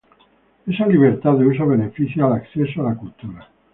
Esa libertad de uso beneficia al acceso a la cultura